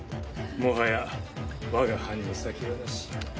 もはや我が藩に未来はなし。